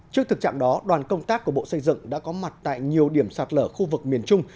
trước thực trạng đó đoàn công tác của bộ xây dựng đã có mặt tại nhiều điểm sạt lở khu vực miền trung